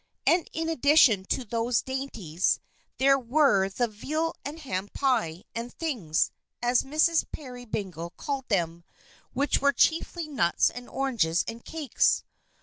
And in addition to these dainties, there were the veal and ham pie and "things," as Mrs. Peerybingle called them; which were chiefly nuts and oranges and cakes.